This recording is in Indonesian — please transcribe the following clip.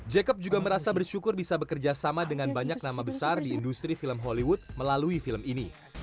jacob juga merasa bersyukur bisa bekerja sama dengan banyak nama besar di industri film hollywood melalui film ini